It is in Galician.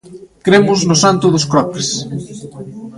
Cremos no santo dos Croques.